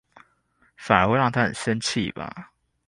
反而會讓他很生氣吧